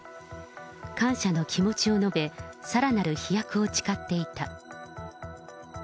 感謝の気持ちを述べ、さらなる飛躍を誓っていた。